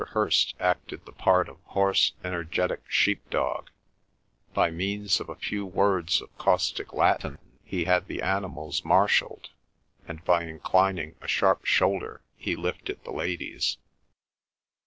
Hirst acted the part of hoarse energetic sheep dog. By means of a few words of caustic Latin he had the animals marshalled, and by inclining a sharp shoulder he lifted the ladies.